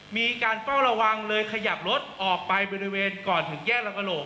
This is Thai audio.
มีการเฝ้าระวังเลยขยับรถออกไปบริเวณก่อนถึงแยกลำกระโหลก